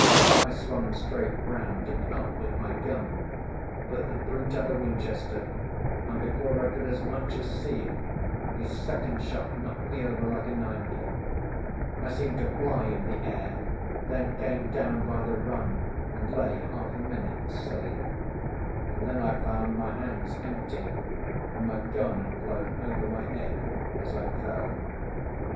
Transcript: I swung straight round and up with my gun, but the brute had a Winchester, and before I could as much as see him his second shot knocked me over like a nine pin. I seemed to fly in the air, then came down by the run and lay half a minute, silly; and then I found my hands empty, and my gun had flown over my head as I fell.